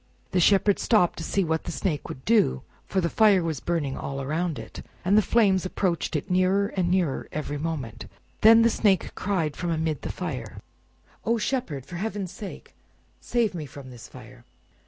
The Shepherd stopped to see what the Snake would do, for the fire was burning all around it, and the flames approached it nearer and nearer every moment. Then the Snake cried from amid the fire— "Oh, Shepherd! for heaven's sake save me from this fire!"